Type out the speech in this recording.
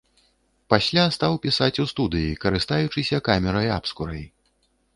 Пасля стаў пісаць у студыі, карыстаючыся камерай-абскурай.